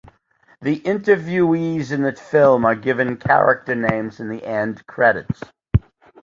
The interviewees in the film are given character names in the end credits.